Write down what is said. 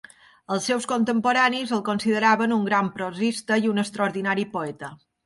Els seus contemporanis el consideraven un gran prosista i un extraordinari poeta.